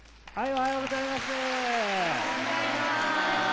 おはようございます。